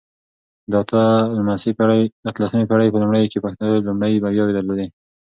د اته لسمې پېړۍ په لومړيو کې پښتنو لويې برياوې درلودې.